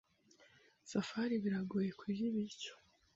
Safari biragoye kurya ibiryo.